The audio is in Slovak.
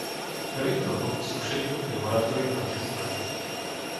Prvým krokom k zrušeniu je moratórium na trest smrti.